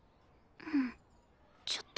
うんちょっと。